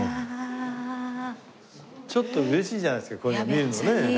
ちょっと嬉しいじゃないですかこういうの見るのね。